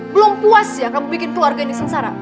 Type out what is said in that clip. belum puas ya kamu bikin keluarga ini sengsara